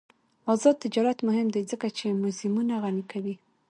آزاد تجارت مهم دی ځکه چې موزیمونه غني کوي.